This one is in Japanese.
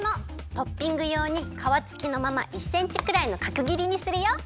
トッピングようにかわつきのまま１センチくらいのかくぎりにするよ。